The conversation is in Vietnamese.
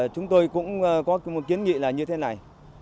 chúng tôi cũng có kiến nghị là như thế này